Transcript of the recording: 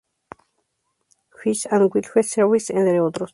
Fish and Wildlife Service, entre otros.